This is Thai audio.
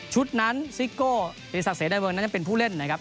ชุดนั้นซิโกศิริษัทเศรษฐ์ในเมืองนั้นเป็นผู้เล่นนะครับ